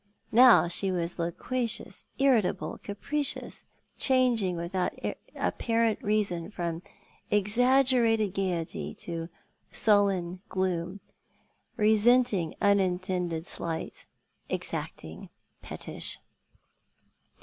Now she was loquacious, irritable, capricious, changing without apparent reason from exaggerated gaiety to sullen gloom — resenting inintended slights, exacting, pettish.